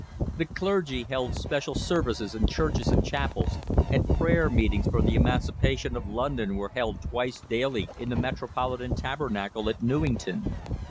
The clergy held special services in churches and chapels, and prayer meetings for the emancipation of London were held twice daily in the Metropolitan Tabernacle at Newington.